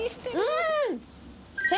うん！